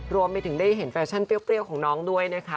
รวมไปถึงได้เห็นแฟชั่นเปรี้ยวของน้องด้วยนะคะ